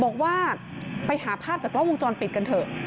บอกว่าไปหาภาพจากกล้องวงจรปิดกันเถอะ